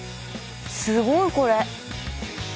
すごいこれ。